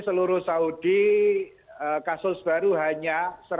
seluruh saudi kasus baru hanya satu ratus empat puluh tujuh